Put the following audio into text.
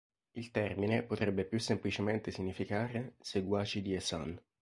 Il termine potrebbe più semplicemente significare "seguaci di Hasan".